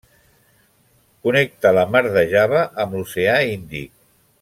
Connecta la mar de Java amb l'oceà Índic.